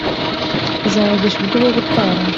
uzanyigisha uburyo bwo gutwara?